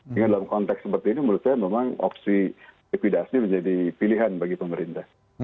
dengan dalam konteks seperti ini menurut saya memang opsi lipidasi menjadi pilihan bagi pemerintah